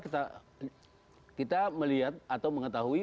kita melihat atau mengetahui